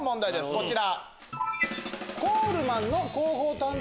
こちら。